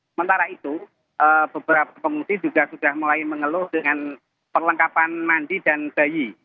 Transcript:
sementara itu beberapa pemudik juga sudah mulai mengeluh dengan perlengkapan mandi dan bayi